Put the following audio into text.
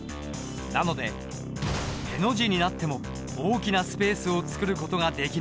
なのでへの字になっても大きなスペースを作る事ができない。